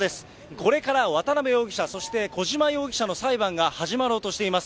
これから渡辺容疑者、そして小島容疑者の裁判が始まろうとしています。